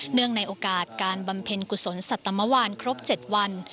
เนื่องในโอกาสการบำเพ็ญกุศลสัตว์ต่อเมื่อวานครบ๗วัน